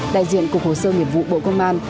đại diện cục hồ sơ nghiệp vụ bộ công an